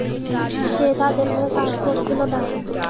সে তাদের হয়ে কাজ করছিল না।